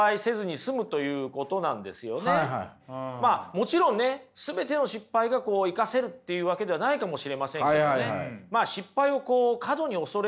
もちろんね全ての失敗が生かせるっていうわけではないかもしれませんけどね。